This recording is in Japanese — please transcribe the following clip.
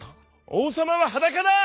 「おうさまははだかだ！